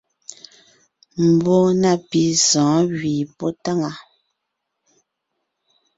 Mbɔɔ na pì sɔ̌ɔn gẅie pɔ́ táŋaa.